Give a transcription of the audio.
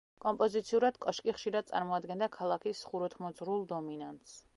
კომპოზიციურად კოშკი ხშირად წარმოადგენდა ქალაქის ხუროთმოძღვრულ დომინანტს.